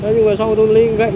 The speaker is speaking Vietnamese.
nhưng mà sau tôi lấy gậy